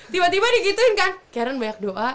tiba tiba digituin kan karen banyak doa